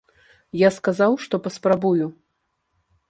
Я сказаў, што паспрабую.